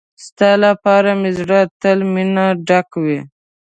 ستا لپاره مې زړه تل مينه ډک وي.